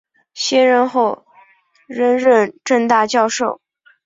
卸任后仍任政大教授。